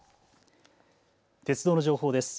鉄道の情報です。